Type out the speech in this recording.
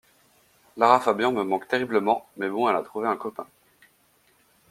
Lara Fabian me manque terriblement, mais bon elle a trouvé un copain.